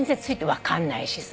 分かんないしさ。